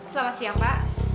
selamat siang mbak